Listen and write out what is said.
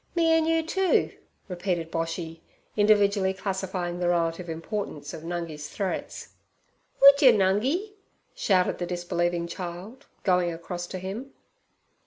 Me an' you too' repeated Boshy, individually classifying the relative importance of Nungis threats. 'Would yer, Nungi?' shouted the disbelieving child, going across to him.